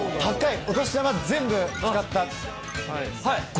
はい。